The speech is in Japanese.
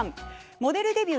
モデルデビュー